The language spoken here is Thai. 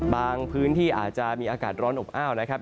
พื้นที่อาจจะมีอากาศร้อนอบอ้าวนะครับ